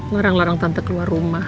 larang larang tante keluar rumah